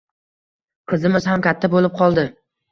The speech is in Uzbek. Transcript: Qizimiz ham katta boʻlib qoldi